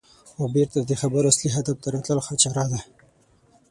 او بېرته د خبرو اصلي هدف ته راتلل ښه چاره ده.